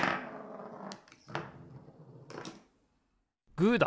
グーだ！